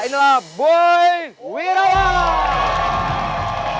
inilah boy wirawa